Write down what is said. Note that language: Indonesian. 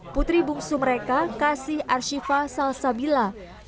putri bungsu mereka kasih arshifa salsabila